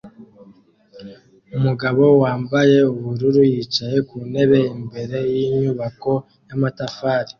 Umugabo wambaye ubururu yicaye ku ntebe imbere yinyubako yamatafari